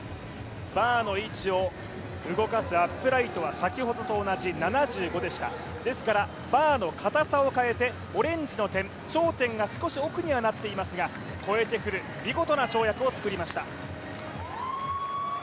バーの位置を動かすアップライトは先ほどと同じ７５でした、ですから、バーの高さを変えて、オレンジの点、頂点が少し奥にはなっていますが越えてくる、見事な跳躍をつくりました。